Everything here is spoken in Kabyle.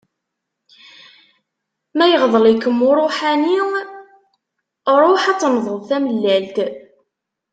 Ma iɣḍel-ikem uruḥani, ruḥ ad tenḍeḍ tamellalt.